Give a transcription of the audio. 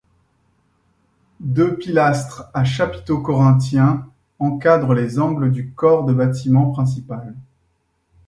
Deux pilastres à chapiteaux corinthiens encadrent les angles du corps de bâtiment principal.